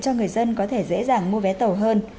cho người dân có thể dễ dàng mua vé tàu hơn